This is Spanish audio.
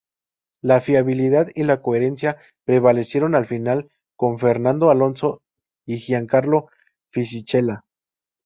La fiabilidad y la coherencia prevalecieron al final, con Fernando Alonso y Giancarlo Fisichella.